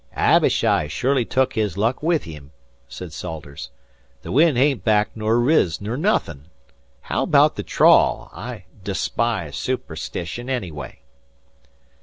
"Abishai has shorely took his luck with him," said Salters. "The wind hain't backed ner riz ner nothin'. How abaout the trawl? I despise superstition, anyway."